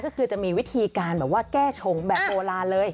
ก็คือจะมีวิธีการแบบว่าแก้ชงแบบโบราณเลย